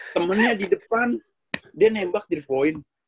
temennya di depan dia nembak di poin